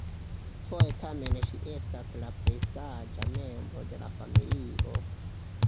Foje tamen ŝi estas la plej saĝa membro de la familio.